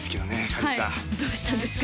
かりんさんどうしたんですか？